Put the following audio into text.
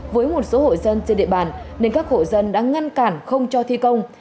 với một số hội dân trên địa bàn nên các hộ dân đã ngăn cản không cho thi công